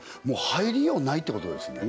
入りようないってことですね